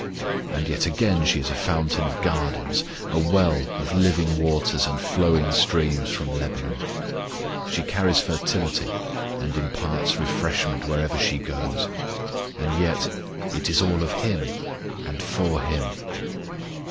And yet again she is a fountain of gardens, a well of living waters and flowing streams from Lebanon: she carries fertility and imparts refreshment wherever she goes; and yet it is all of Him and for Him.